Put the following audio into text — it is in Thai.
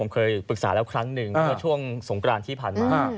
เคยปรึกษาแล้วครั้งหนึ่งเมื่อช่วงสงกรานที่ผ่านมา